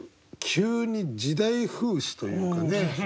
急に時代風刺というかね。